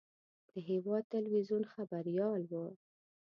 د هېواد تلویزیون خبریال و.